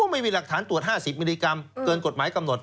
ไม่มีหลักฐานตรวจ๕๐มิลลิกรัมเกินกฎหมายกำหนด